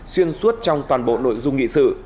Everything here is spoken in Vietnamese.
xuyên suốt trong toàn bộ nội dung nghị sự